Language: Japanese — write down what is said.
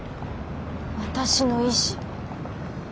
私の意志。